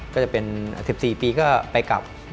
ก็จะเป็น๑๔ปีก็ไปกลับ